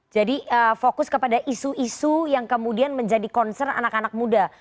jadi fokus kepada isu isu yang kemudian menjadi concern anak anak muda